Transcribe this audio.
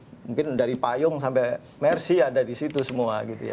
mungkin dari payung sampai mercy ada di situ semua gitu ya